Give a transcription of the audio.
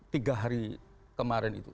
tiga hari kemarin itu